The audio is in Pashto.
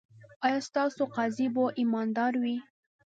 ایا ستاسو قاضي به ایماندار وي؟